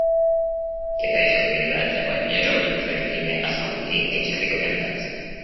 Китайская делегация поддерживает утверждение Ассамблеей этих рекомендаций.